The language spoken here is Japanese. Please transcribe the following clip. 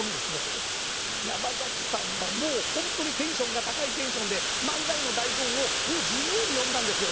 山崎さんはもう本当にテンションが高いテンションで漫才の台本をもう自由に読んだんですよね？